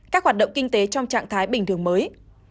các hoạt động kinh tế trong trạng thái bình thường mới